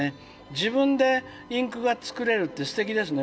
自分でインクが作れるってすてきですね。